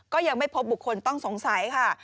ก็ยังไม่พบบุคคลต้องสงสัยค่ะ